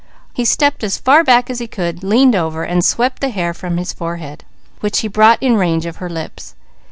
He stepped as far back as he could, leaned over, and swept the hair from his forehead, which he brought in range of her lips.